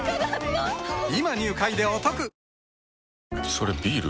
それビール？